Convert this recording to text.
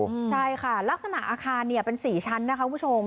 ใช่ค่ะลักษณะอาคารเนี่ยเป็น๔ชั้นนะคะคุณผู้ชม